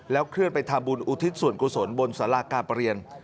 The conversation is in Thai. แล้วเคลื่อนไปทำบุญอุทิศสวรรค์ครูสนบนศาลากาประเรียน